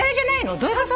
どういうこと？